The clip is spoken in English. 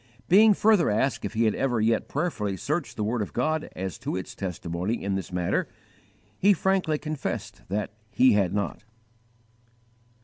Being further asked if he had ever yet prayerfully searched the word of God as to its testimony in this matter, he frankly confessed that he had not.